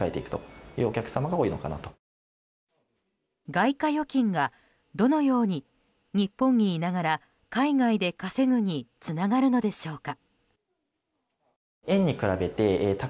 外貨預金が、どのように日本にいながら海外で稼ぐにつながるのでしょうか。